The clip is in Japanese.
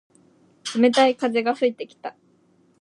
冷たい風が吹いてきた。